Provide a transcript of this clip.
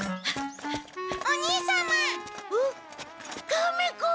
カメ子！